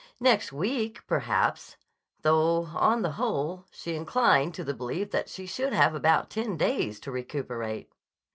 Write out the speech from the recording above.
Next week, perhaps—'though, on the whole, she inclined to the belief that she should have about ten days to recuperate.